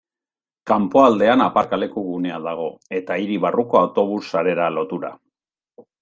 Kanpoaldean aparkaleku gunea dago, eta hiri barruko autobus sarera lotura.